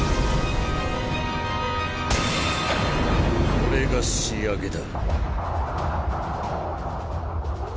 これが仕上げだ！